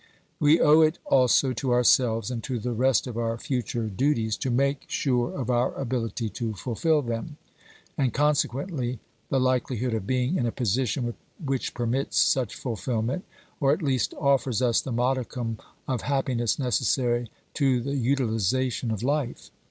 We owe it also to ourselves and to the rest of our future duties to make sure of our ability to fulfil them, and consequently the like lihood of being in a position which permits such fulfilment, or at least offers us the modicum of happiness necessary to the utilisation of life.